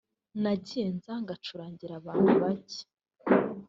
nagiye nza ngacurangira abantu bake